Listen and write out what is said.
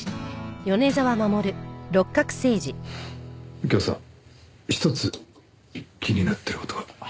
右京さんひとつ気になってる事が。